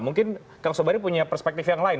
mungkin kang sobari punya perspektif yang lain